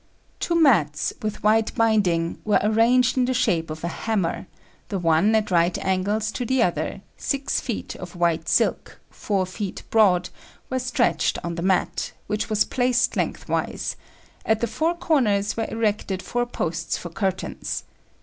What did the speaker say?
Two mats, with white binding, were arranged in the shape of a hammer, the one at right angles to the other; six feet of white silk, four feet broad, were stretched on the mat, which was placed lengthwise; at the four corners were erected four posts for curtains.